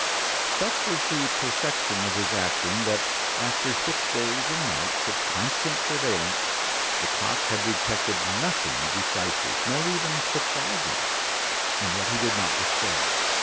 Such was the perfection of his acting that, after six days and nights of constant surveillance, Lecoq had detected nothing decisive, nor even surprising. And yet he did not despair.